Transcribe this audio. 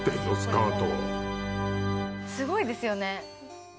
これもすごいですよね